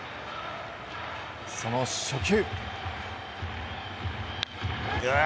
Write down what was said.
その初球。